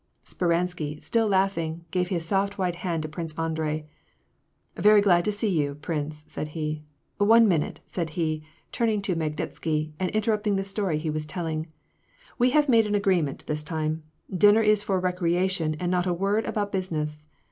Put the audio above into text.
Speransky, still laughing, gave his soft white hand to Prince Andrei. " Very glad to see you, prince,'' said he. " One minute," said he, turning to Magnitsky, and interrupting the story be was telling. '^ We have made an agreement this time : dinner is for recreation, and not a word about business."